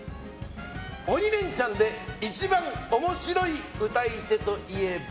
「鬼レンチャン」で１番面白い歌い手といえば？